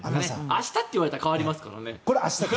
明日って言われたら変わりますからね。